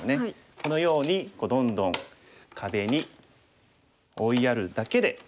このようにどんどん壁に追いやるだけで。